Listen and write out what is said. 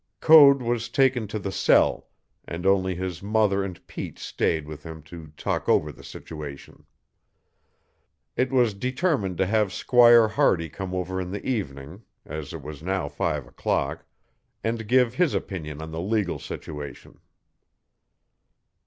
Code was taken to the cell, and only his mother and Pete stayed with him to talk over the situation. It was determined to have Squire Hardy come over in the evening (it was now five o'clock) and give his opinion on the legal situation.